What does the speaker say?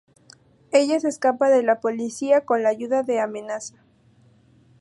Ella se escapa de la policía con la ayuda de Amenaza.